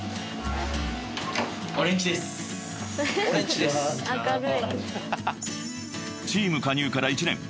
［チーム加入から１年。